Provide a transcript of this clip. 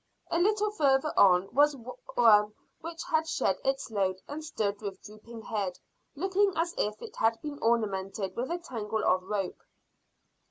A little farther on was one which had shed its load and stood with drooping head, looking as if it had been ornamented with a tangle of rope.